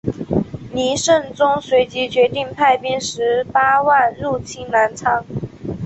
黎圣宗随即决定派兵十八万入侵澜沧。